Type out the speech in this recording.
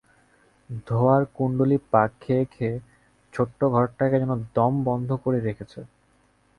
ধোঁয়ার কুণ্ডলী পাক খেয়ে খেয়ে ছোট্ট ঘরটাকে যেন দম বন্ধ করে রেখেছে।